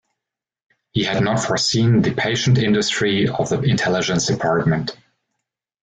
He had not foreseen the patient industry of the Intelligence Department.